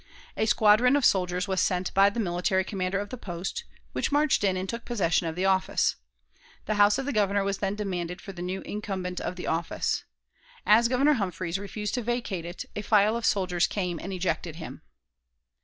A squadron of soldiers was sent by the military commander of the post, which marched in and took possession of the office. The house of the Governor was then demanded for the new incumbent of the office. As Governor Humphreys refused to vacate it, a file of soldiers came and ejected him.